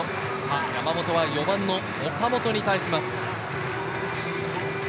山本は４番の岡本に対します。